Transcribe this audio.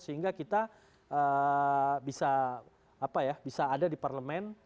sehingga kita bisa apa ya bisa ada di parlemen